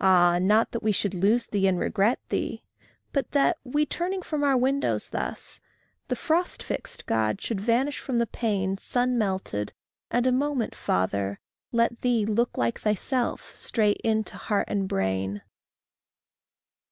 Ah, not that we should lose thee and regret thee! But that, we turning from our windows thus, The frost fixed God should vanish from the pane, Sun melted, and a moment, Father, let thee Look like thyself straight into heart and brain.